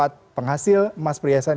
tempat penghasil emas perhiasan